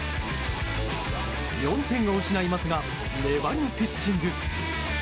４点を失いますが粘るピッチング。